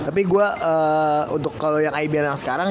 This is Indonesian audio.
tapi gua untuk kalo yang ibl yang sekarang